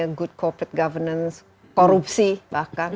bukan hanya good corporate governance korupsi bahkan